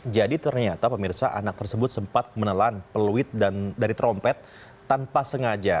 jadi ternyata pemirsa anak tersebut sempat menelan peluit dari trompet tanpa sengaja